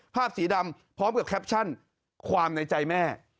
สีดำพร้อมกับแคปชั่นความในใจแม่